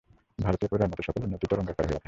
ভারতীয় পুরাণ-মতে সকল উন্নতিই তরঙ্গাকারে হইয়া থাকে।